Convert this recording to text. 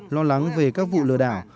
lo lắng về các vụ lừa đảo